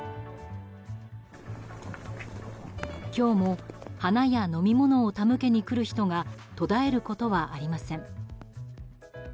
今日も花や飲み物を手向けに来る人が途絶えることはありません。